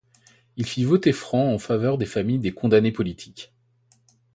Il fit voter francs en faveur des familles des condamnés politiques.